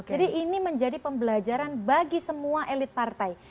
jadi ini menjadi pembelajaran bagi semua elit partai